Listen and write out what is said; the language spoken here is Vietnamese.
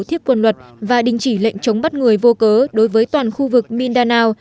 thiếp quân luật và đình chỉ lệnh chống bắt người vô cớ đối với toàn khu vực mindanao